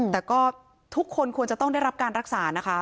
แต่ก็ทุกคนควรจะต้องได้รับการรักษานะคะ